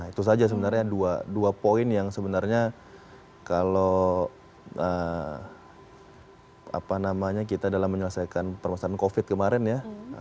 itu saja sebenarnya dua poin yang sebenarnya kalau kita dalam menyelesaikan permasalahan covid kemarin ya